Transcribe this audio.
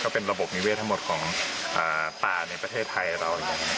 ก็เป็นระบบมิเวศทั้งหมดของอ่าป่าในประเทศไทยเราอย่างเงี้ย